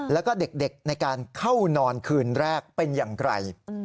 แล้วก็เด็กในการเข้านอนคืนแรกเป็นอย่างไร